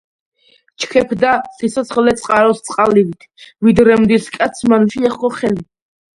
ჩქეფდა სიცოცხლე წყაროს წყალივით, ვიდრემდის კაცმან შეახო ხელი.